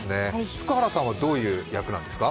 福原さんはどういう役なんですか？